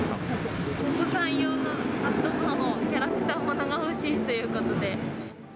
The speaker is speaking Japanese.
お子さん用のキャラクターものが欲しいということで。